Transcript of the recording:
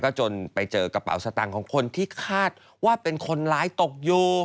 จนไปเจอกระเป๋าสตางค์ของคนที่คาดว่าเป็นคนร้ายตกอยู่